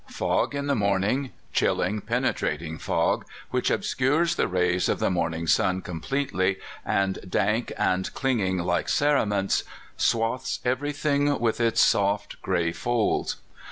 Fog in the morning chilling, penetrating fog, which obscures the rays of the morning sun completely, and, dank and "clinging like cerements," swathes every thing with its soft, gray folds.